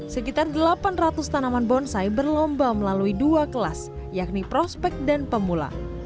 sekitar delapan ratus tanaman bonsai berlomba melalui dua kelas yakni prospek dan pemula